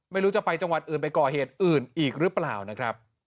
ไม่รู้จะไปจังหวัดอื่นไปก่อเหตุอื่นอีกหรือเปล่านะครับ